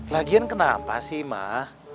lagian kenapa sih mah